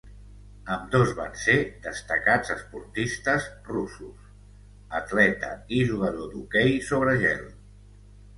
Ambdós van ser destacats esportistes russos, atleta i jugador d'hoquei sobre gel.